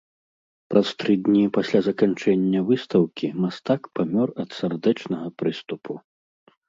Праз тры дні пасля заканчэння выстаўкі мастак памёр ад сардэчнага прыступу.